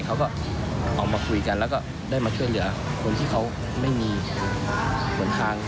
เขาก็ออกมาคุยกันแล้วก็ได้มาช่วยเหลือคนที่เขาไม่มีหนทาง